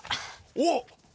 おっ？